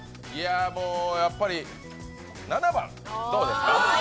もう、やっぱり７番、どうですか？